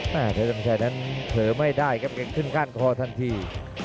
แต่เทศกรรมแค่นั้นเผลอไม่ได้กำเกงขึ้นก้านคอทันที